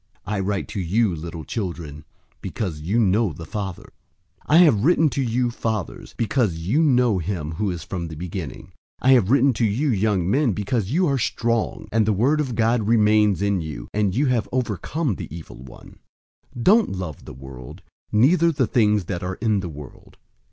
I write to you, little children, because you know the Father. 002:014 I have written to you, fathers, because you know him who is from the beginning. I have written to you, young men, because you are strong, and the word of God remains in you, and you have overcome the evil one. 002:015 Don't love the world, neither the things that are in the world.